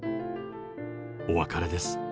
お別れです。